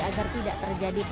agar tidak terjadi penyakit